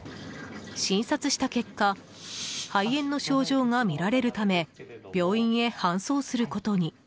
診察した結果肺炎の症状が見られるため病院へ搬送することに。